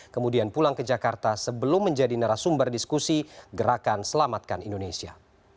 kemudian pulang ke jakarta sebelum menjadi narasumber diskusi gerakan selamatkan indonesia